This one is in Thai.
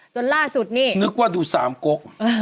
จนล่าสุดนี่นึกว่าดูสามกก